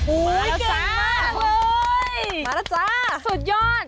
อุ๊ยเก่งมากเลยมาแล้วจ้ะสุดยอด